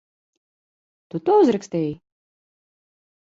Tu to uzrakstīji?